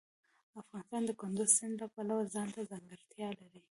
افغانستان د کندز سیند له پلوه ځانته ځانګړتیا لري.